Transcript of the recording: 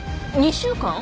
２週間！？